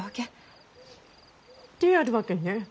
であるわけね。